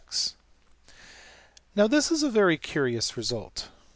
\] Now this is a very curious result.